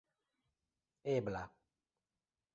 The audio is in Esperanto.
ebla